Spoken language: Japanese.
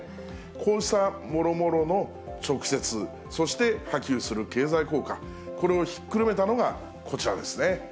こうしたもろもろの直接、そして波及する経済効果、これをひっくるめたのがこちらですね。